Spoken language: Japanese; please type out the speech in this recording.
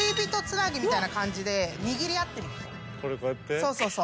そうそうそう。